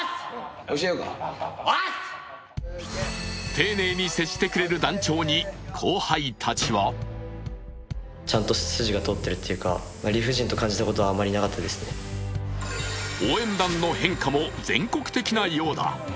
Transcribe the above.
丁寧に接してくれる団長に後輩たちは応援団の変化も全国的なようだ。